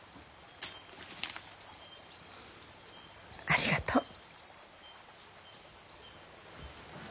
ありがとう。